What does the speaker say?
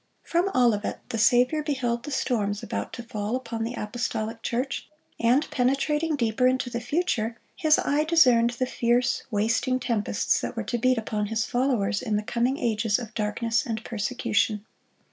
From Olivet the Saviour beheld the storms about to fall upon the apostolic church; and penetrating deeper into the future, His eye discerned the fierce, wasting tempests that were to beat upon His followers in the coming ages of darkness and persecution.